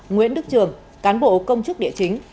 nguyễn đức trường cán bộ công chức địa chính